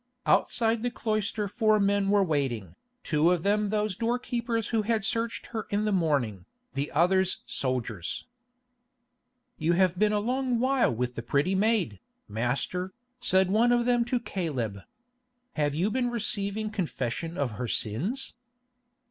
Outside the cloister four men were waiting, two of them those doorkeepers who had searched her in the morning, the others soldiers. "You have been a long while with the pretty maid, master," said one of them to Caleb. "Have you been receiving confession of her sins?"